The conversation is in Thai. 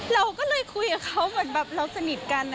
เราก็เลยคุยกับเขาเหมือนแบบเราสนิทกัน